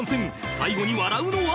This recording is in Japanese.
最後に笑うのは⁉］